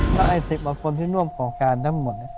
๕๐บาทคนที่ร่วมปกติทั้งหมด